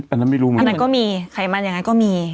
อันนั้นไม่รู้มันอันนั้นก็มีไขมันอย่างนั้นก็มี